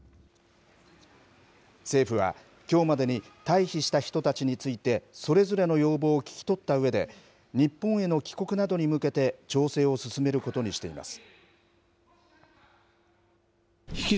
政府は、きょうまでに退避した人たちについて、それぞれの要望を聞き取ったうえで、日本への帰国などに向けて調整を進めることにしています。